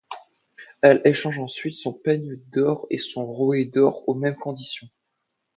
Elle échange ensuite son peigne d'or et son rouet d'or aux mêmes conditions.